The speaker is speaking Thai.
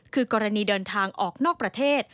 คือกรณีเดินทางออกนอกประเทศ